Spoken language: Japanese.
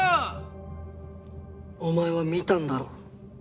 お前は見たんだろ？